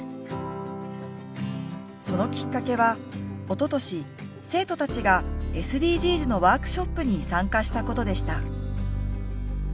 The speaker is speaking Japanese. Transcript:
そのきっかけはおととし生徒たちがＳＤＧｓのワークショップに参加したことでした。